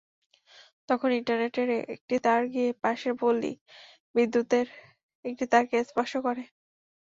তখন ইন্টারনেটের একটি তার গিয়ে পাশের পল্লী বিদ্যুতের একটি তারকে স্পর্শ করে।